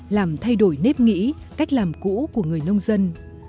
làm thay đổi nếp nghĩ cách làm cũ của người nông dân